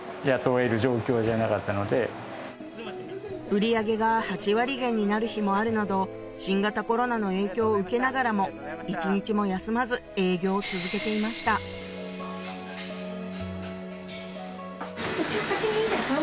売り上げが８割減になる日もあるなど新型コロナの影響を受けながらも１日も休まず営業を続けていましたお茶先にいいですか？